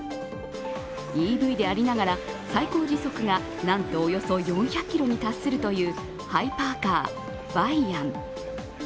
ＥＶでありながら、最高時速がなんとおよそ４００キロに達するというハイパーカー、ヴァイヤン。